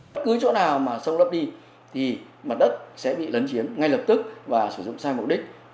bất cứ chỗ nào mà sông lấp đi thì mặt đất sẽ bị lấn chiếm ngay lập tức và sử dụng sai mục đích